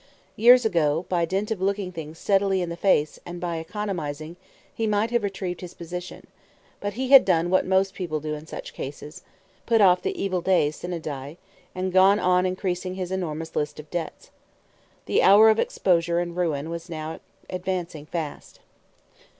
Years ago, by dint of looking things steadily in the face, and by economizing, he might have retrieved his position; but he had done what most people do in such cases put off the evil day sine die, and gone on increasing his enormous list of debts. The hour of exposure and ruin was now advancing fast.